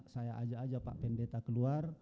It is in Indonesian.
saya ajak aja pak pendeta keluar